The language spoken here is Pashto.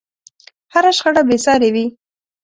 هره شخړه بې سارې وي.